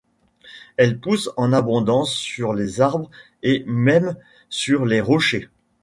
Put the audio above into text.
Elle pousse en abondance sur les arbres et même sur les rochers.